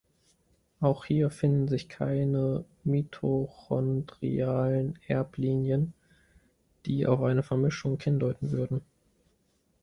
Auch hier finden sich keine mitochondrialen Erblinien, die auf eine Vermischung hindeuten würden.